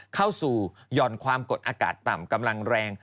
เข้าสู่หย่อนความกดอากาศต่ำกำลังแรง